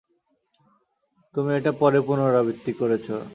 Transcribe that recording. তুমি এটা পরে পুনরাবৃত্তি করেছ।